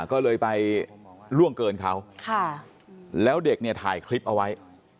ก็เลยไปล่วงเกินเขาแล้วเด็กเนี่ยถ่ายคลิปเอาไว้